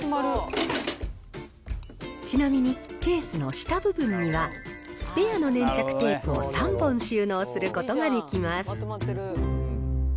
ちなみに、ケースの下部分にはスペアの粘着テープを３本収納することができます。